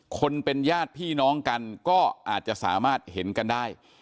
คนเป็นญาติพี่น้องกันก็อาจจะสามารถเห็นกันได้